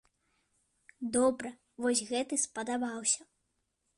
Добра, вось гэты спадабаўся.